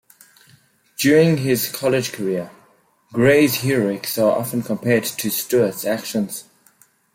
During his college career, Grey's heroics are often compared to Stuart's actions.